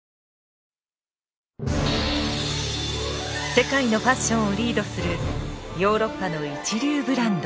世界のファッションをリードするヨーロッパの一流ブランド。